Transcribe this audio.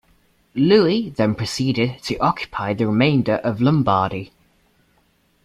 Louis then proceeded to occupy the remainder of Lombardy.